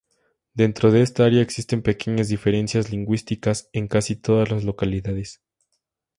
Dentro de esta área existen pequeñas diferencias lingüísticas en casi todas las localidades.